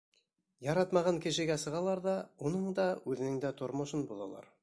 Яратмаған кешегә сығалар ҙа уның да, үҙенең дә тормошон боҙалар.